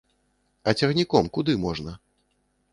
А цягніком куды можна?